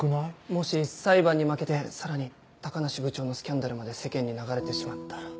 もし裁判に負けてさらに高梨部長のスキャンダルまで世間に流れてしまったら。